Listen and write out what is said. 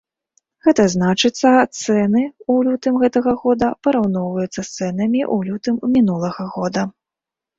Гэта значыцца цэны ў лютым гэтага года параўноўваюцца з цэнамі ў лютым мінулага года.